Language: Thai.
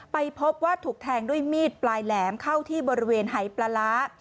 ไปพบว่าถูกแทงด้วยมีดปลายแหลมเข้าที่บริเวณหายปลาร้า